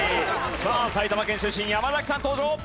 さあ埼玉県出身山崎さん登場。